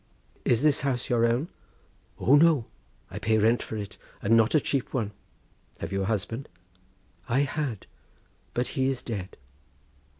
"Is this house your own?" "O no! I pay rent for it, and not a cheap one." "Have you a husband?" "I had, but he is dead."